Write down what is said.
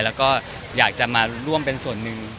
แล้วก็อยากจะมาร่วมเป็นส่วนหนึ่ง